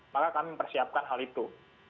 maka kami mempersiapkan hal itu